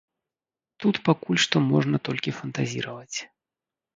Тут пакуль што можна толькі фантазіраваць.